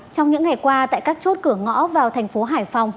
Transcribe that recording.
trong những ngày qua tại các chốt cửa ngõ vào thành phố hải phòng